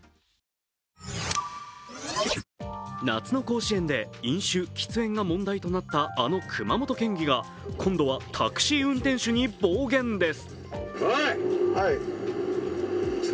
夏の甲子園で飲酒・喫煙が問題となったあの熊本県議は今度はタクシー運転手に暴言です。